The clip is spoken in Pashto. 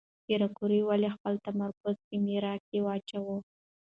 پېیر کوري ولې خپل تمرکز په ماري کې واچاوه؟